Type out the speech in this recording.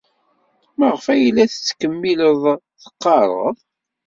Maɣef ay la tettkemmiled teɣɣared?